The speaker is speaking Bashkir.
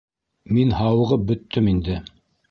Мин һауығып бөттөм инде.